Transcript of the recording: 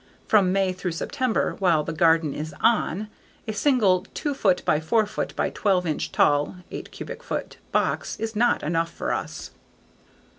From May through September while the garden is "on," a single, 2 foot x 4 foot by 12 inch tall (8 cubic foot) box is not enough for us.